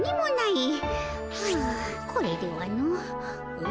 はあこれではの。